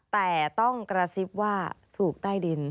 แต่ต้องกระซิบว่าถูกใต้ดิน